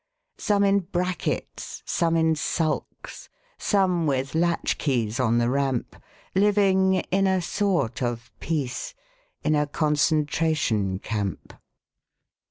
Some in brackets, some in sulks. Some with latchkeys on the ramp, Living (in a sort of peace) In a Concentration Camp.